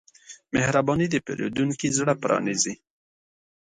مهرباني د پیرودونکي زړه پرانیزي.